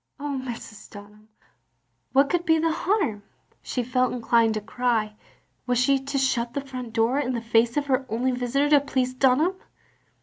" Oh, Mrs. Dtmham, what could be the harm? " said Jeanne. She felt inclined to cry. Was she to shut the front door in the face of her only visitor to please Dunham?